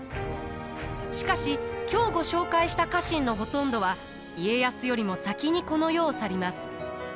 しかし今日ご紹介した家臣のほとんどは家康よりも先にこの世を去ります。